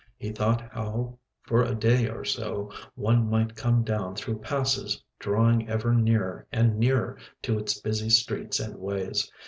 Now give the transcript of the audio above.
He thought how for a day or so one might come down through passes drawing ever nearer and nearer to its busy streets and ways.